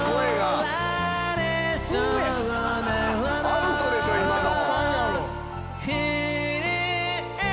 アウトでしょ今の。